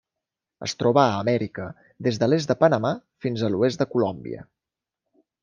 Es troba a Amèrica: des de l'est de Panamà fins a l'oest de Colòmbia.